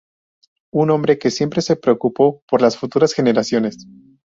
Un hombre que siempre se preocupó por las futuras generaciones.